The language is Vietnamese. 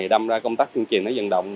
thì đâm ra công tác chương trình nó dần động